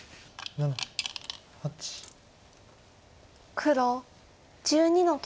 黒１２の九。